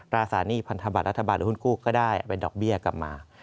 ราศาลหนี้พันธบัตรราธบาลหุ้นกู้ก็ได้เอาไปดอกเบี้ยกลับมา